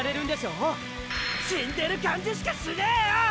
死んでる感じしかしねえよ！